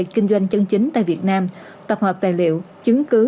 kinh doanh chân chính tại việt nam tập hợp tài liệu chứng cứ